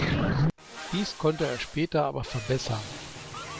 Dies konnte er später aber verbessern.